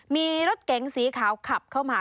มีรถเก๋งสีขาวขับเข้ามา